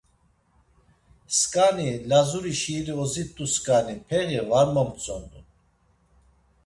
Skani, Lazuri şiiri ozit̆uskani, peği var momtzondun.